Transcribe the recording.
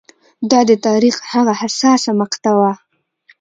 دا د تاریخ هغه حساسه مقطعه وه